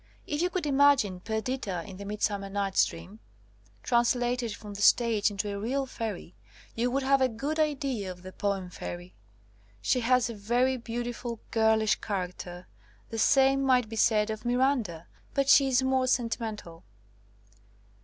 If you could imagine Perdita in the Mid summer Night ^s Dream, translated from the stage into a real fairy, you would have a good idea of the poem fairy. She has a very beautiful girlish character. The same might be said of Miranda, but she is more sentimental.